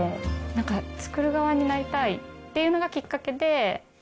なんか、作る側になりたいっていうのがきっかけで。